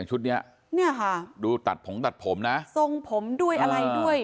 ชุดเนี้ยเนี่ยค่ะดูตัดผมตัดผมนะทรงผมด้วยอะไรด้วย